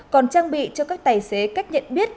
còn trang bị cho các tài xế cách nhận biết